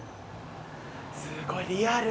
すごいリアル。